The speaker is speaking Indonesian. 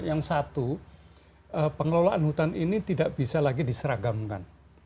yang satu pengelolaan hutan ini tidak bisa lagi diseragamkan